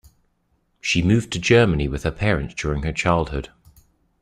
She moved to Germany with her parents during her childhood.